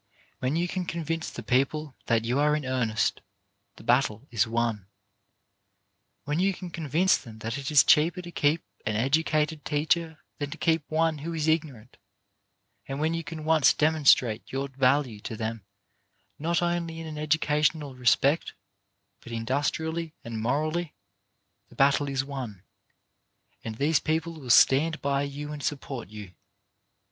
When you can con vince the people that you are in earnest, the battle is won. When you can convince them that it is cheaper to keep an educated teacher than to keep one who is ignorant, and when you can once demonstrate your value to them not only in an educational respect but industrially and morally, the battle is won, and these people will stand by you and support you.